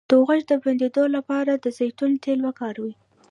د غوږ د بندیدو لپاره د زیتون تېل وکاروئ